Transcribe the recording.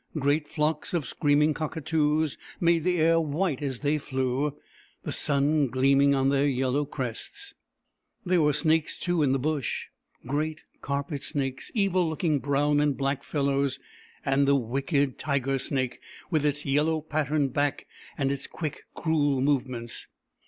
Great flocks of screaming cocka toos made the air white, as they flew, the sun gleaming on their yellow crests. There were snakes, too, in the Bush : great carpet snakes, evil looking brown and black fellows, and the wicked tiger snake, with its yellow patterned back and its quick cruel movements.